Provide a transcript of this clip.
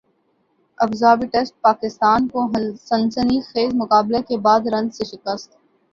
ابو Dhabi test Pakistan کو سنسنی خیزمقابلے کے بعد رنز سے شکست